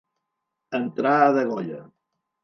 Entrar a degolla.